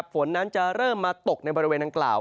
ฝนนั้นจะเริ่มมาตกในบริเวณดังกล่าว